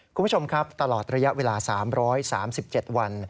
คุณผู้ชมครับตลอดระยะเวลา๓๓๗วัน